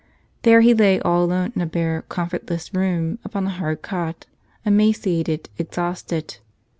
There he lay all alone in a bare, comfortless room upon a hard cot, emaciated, exhausted.